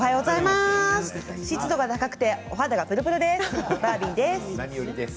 湿度が高くてお肌がぷるぷるです。